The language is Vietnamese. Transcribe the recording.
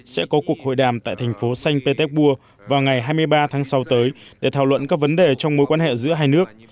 sẽ có cuộc hội đàm tại thành phố xanh petersburg vào ngày hai mươi ba tháng sáu tới để thảo luận các vấn đề trong mối quan hệ giữa hai nước